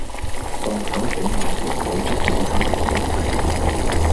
放手畀我哋手足以新思維